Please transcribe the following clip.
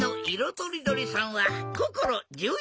とりどりさんはこころ１４さい。